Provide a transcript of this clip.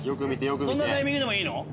どんなタイミングでもいいの？